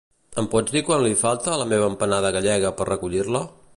Em pots dir quant li falta a la meva empanada gallega per recollir-la?